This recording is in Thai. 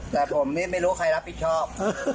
แต่ผมไม่รู้ใครรับผิดชอบ